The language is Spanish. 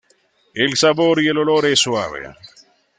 El sabor y el olor es suave.